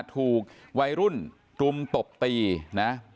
ถูกวัยรุ่นรุมตบตีนะ